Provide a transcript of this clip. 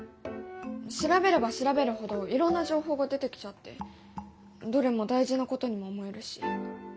調べれば調べるほどいろんな情報が出てきちゃってどれも大事なことにも思えるし。